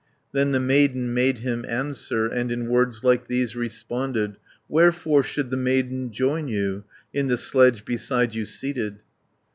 Then the maiden made him answer, And in words like these responded: "Wherefore should the maiden join you, In the sledge beside you seated?"